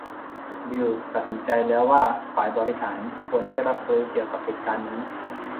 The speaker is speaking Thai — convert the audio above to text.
บิลล์ตัดสินใจแล้วว่าฝ่ายบริหารควรได้รับรู้เกี่ยวกับเหตุการณ์นี้